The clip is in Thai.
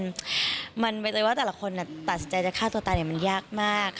แต่ว่าแต่ละคนน่ะตัดสินใจจะฆ่าตัวตาอย่างนี้มันยากมาก